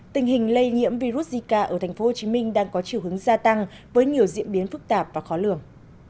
tình hình lây nhiễm virus zika ở tp hcm đang có chiều hướng gia tăng với nhiều diễn biến phức tạp và khó lường